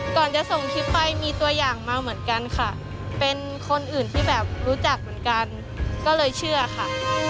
ก่อนจะส่งคลิปไปมีตัวอย่างมาเหมือนกันค่ะเป็นคนอื่นที่แบบรู้จักเหมือนกันก็เลยเชื่อค่ะ